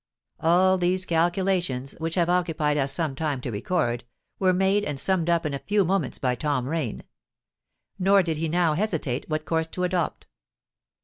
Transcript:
All these calculations, which have occupied us some time to record, were made and summed up in a few moments by Tom Rain. Nor did he now hesitate what course to adopt.